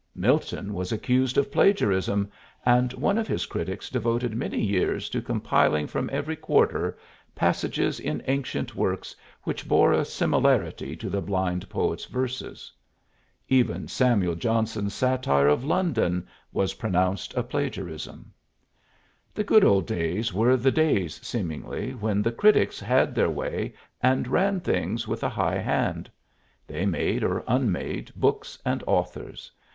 Milton was accused of plagiarism, and one of his critics devoted many years to compiling from every quarter passages in ancient works which bore a similarity to the blind poet's verses. Even Samuel Johnson's satire of "London" was pronounced a plagiarism. The good old days were the days, seemingly, when the critics had their way and ran things with a high hand; they made or unmade books and authors.